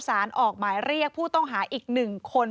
สารออกหมายเรียกผู้ต้องหาอีก๑คน